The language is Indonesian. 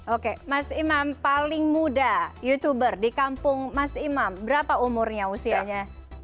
oke mas imam paling muda youtuber di kampung mas imam berapa umurnya usianya